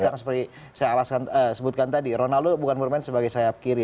karena seperti saya alasan sebutkan tadi ronaldo bukan bermain sebagai sayap kiri